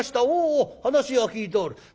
「おお話は聞いておる。